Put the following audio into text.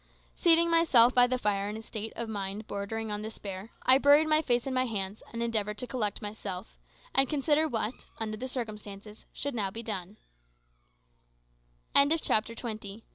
Seating myself by the fire in a state of mind bordering on despair, I buried my face in my hands, and endeavoured to collect myself, and consider what, under the circumstances, should be now done. CHAPTER TWENTY ONE.